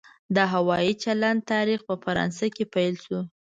د هوایي چلند تاریخ په فرانسه کې پیل شو.